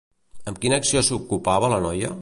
Amb quina acció s'ocupava la noia?